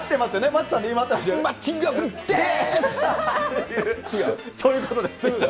まあ、そういうことです。